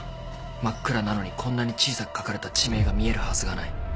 真っ暗なのにこんなに小さく書かれた地名が見えるはずがない。